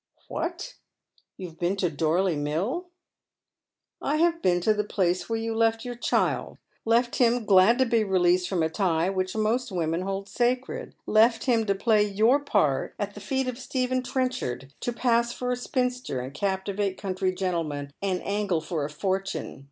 "What ? You have been to Doriey Mill ?"" I have been to the place where you left your child, left hira, glad to be released from a tie which most women hold sacred ; left him to play your part at the feet of Stephen Trenchard, to pass for a spinster, and captivate country gentlemen, and angle for a fortune.